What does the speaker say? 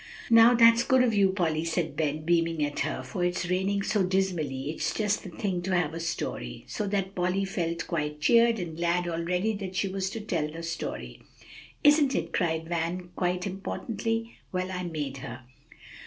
"Now, that's good of you, Polly," said Ben, beaming at her; "for it's raining so dismally it's just the thing to have a story." So that Polly felt quite cheered, and glad already that she was to tell the story. "Isn't it?" cried Van quite importantly. "Well, I made her."